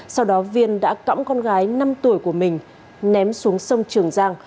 sau đó viên đã cõng con gái năm tuổi của mình ném xuống sông trường giang